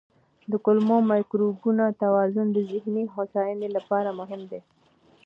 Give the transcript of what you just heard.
د کولمو مایکروبیوم توازن د ذهني هوساینې لپاره مهم دی.